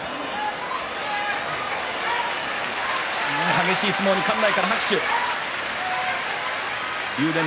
激しい相撲に館内から拍手。